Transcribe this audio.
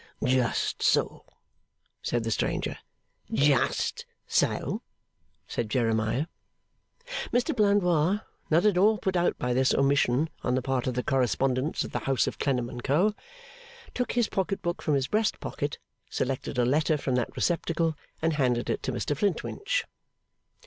'Just so,' said the stranger. 'Just so,' said Jeremiah. Mr Blandois, not at all put out by this omission on the part of the correspondents of the house of Clennam and Co., took his pocket book from his breast pocket, selected a letter from that receptacle, and handed it to Mr Flintwinch.